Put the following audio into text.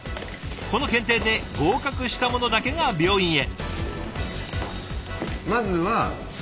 この検定で合格したものだけが病院へ。